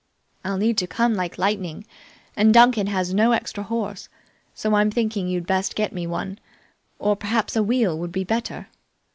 I'll need to come like lightning, and Duncan has no extra horse, so I'm thinking you'd best get me one or perhaps a wheel would be better.